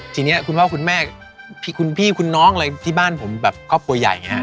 ทีนี้คุณพ่อคุณแม่คุณพี่คุณน้องอะไรที่บ้านผมแบบครอบครัวใหญ่อย่างนี้